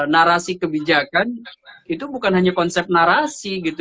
narasi kebijakan itu bukan hanya konsep narasi gitu